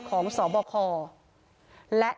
นี่ไงค่ะร่วมกันเลยนะครับ